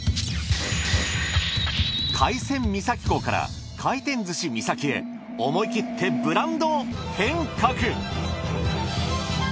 海鮮三崎港から回転寿司みさきへ思いきってブランド変革。